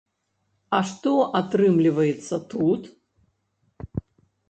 А што атрымліваецца тут?